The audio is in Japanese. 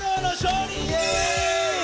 イエーイ！